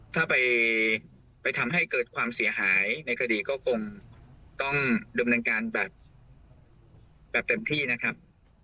ถ้าไปทำให้เกิดความเสียหายในคดีก็คงต้องดำเนินการแบบเต็มที่นะครับ